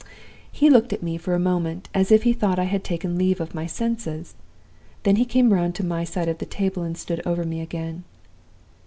] "He looked at me for a moment, as if he thought I had taken leave of my senses. Then he came round to my side of the table and stood over me again.